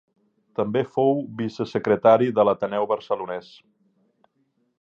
També fou vicesecretari de l'Ateneu Barcelonès.